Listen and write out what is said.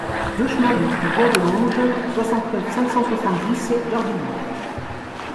deux chemin du Bois de Longe, soixante-neuf, cinq cent soixante-dix, Dardilly